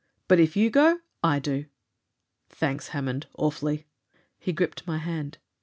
But if you go, I do!" "Thanks, Hammond. Awfully!" He gripped my hand.